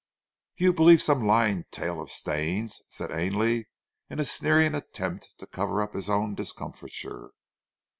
"You believe some lying tale of Stane's?" said Ainley, in a sneering attempt to cover up his own discomfiture.